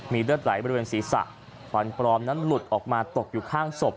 เลือดไหลบริเวณศีรษะควันปลอมนั้นหลุดออกมาตกอยู่ข้างศพ